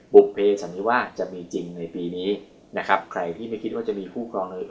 บุภเพสันนิวาสจะมีจริงในปีนี้นะครับใครที่ไม่คิดว่าจะมีคู่ครองเลย